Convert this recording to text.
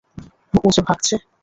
ওজে ভাগছে!